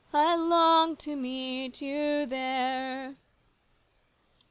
I long to meet you there."